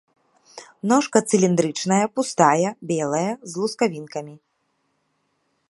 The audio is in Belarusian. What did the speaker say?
Ножка цыліндрычная, пустая, белая, з лускавінкамі.